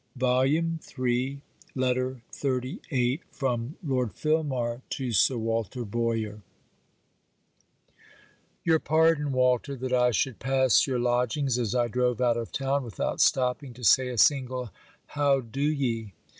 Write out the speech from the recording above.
VALMONT LETTER XXXVIII FROM LORD FILMAR TO SIR WALTER BOYER Your Pardon, Walter, that I should pass your lodgings as I drove out of town without stopping to say a single how do ye.